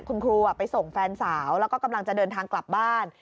คุณครูไปส่งแฟนสาวแล้วก็กำลังจะเดินทางกลับบ้าน